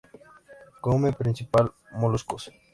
Come principalmente moluscos.